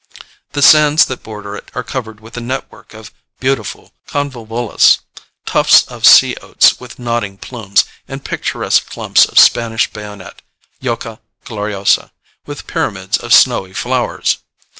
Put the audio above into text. The sands that border it are covered with a network of beautiful convolvulus, tufts of sea oats with nodding plumes, and picturesque clumps of Spanish bayonet (Yucca gloriosa) with pyramids of snowy flowers.